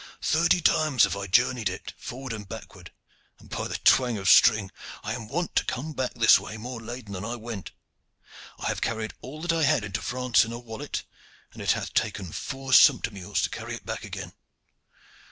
"Thirty times have I journeyed it, forward and backward, and, by the twang of string! I am wont to come back this way more laden than I went. I have carried all that I had into France in a wallet, and it hath taken four sumpter mules to carry it back again.